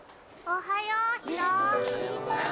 おはよう！